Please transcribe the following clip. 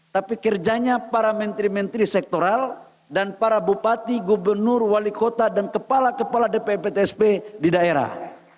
tapi kerjanya para menteri menteri sektoral dan para bupati gubernur wali kota dan kepala kepala dpptsp di daerah